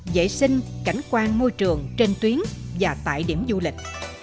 vệ sinh cảnh quan môi trường trên tuyến và tại điểm du lịch